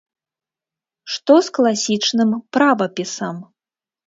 Што з класічным правапісам?